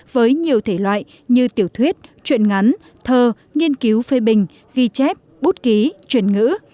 với nhiều thể loại như tiểu thuyết chuyện ngắn thơ nghiên cứu phê bình ghi chép bút ký chuyển ngữ